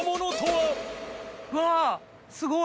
うわぁすごい。